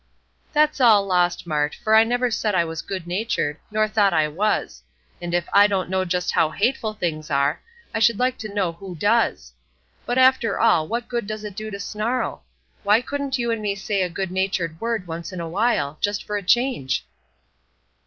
"That's all lost, Mart, for I never said I was good natured, nor thought I was; and if I don't know just how hateful things are, I should like to know who does! But, after all, what good does it do to snarl? Why couldn't you and me say a good natured word once in a while, just for a change?"